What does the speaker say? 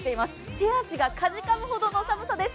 手足がかじかむほどの寒さです。